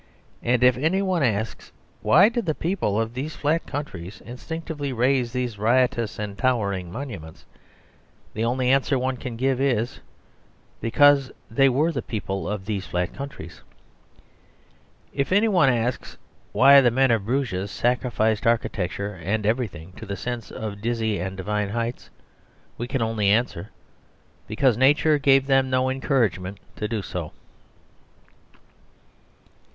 And if any one asks, "Why did the people of these flat countries instinctively raise these riotous and towering monuments?" the only answer one can give is, "Because they were the people of these flat countries." If any one asks, "Why the men of Bruges sacrificed architecture and everything to the sense of dizzy and divine heights?" we can only answer, "Because Nature gave them no encouragement to do so."